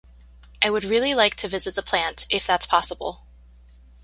I would really like to visit the plant, if that's possible.